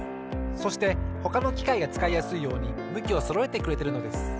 そしてほかのきかいがつかいやすいようにむきをそろえてくれてるのです。